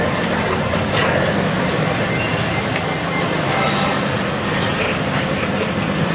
น้ำหวานน้ำเผ็ดนิดหนึ่งก็มีสัตว์มะลาดด้วย